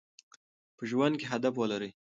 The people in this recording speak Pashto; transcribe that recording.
په ژوند کې هدف ولرئ.